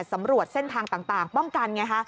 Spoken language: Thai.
สำรวจเส้นทางต่างป้องกันไงฮะ